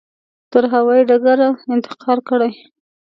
تر هوایي ډګره انتقال کړي.